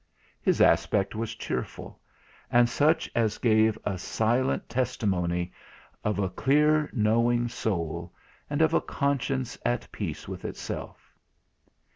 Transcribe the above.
His aspect was cheerful, and such as gave a silent testimony of a clear knowing soul, and of a conscience at peace with itself.